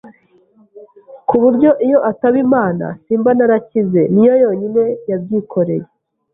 ku buryo iyo ataba Imana simba narakize niyo yonyine yabyikoreye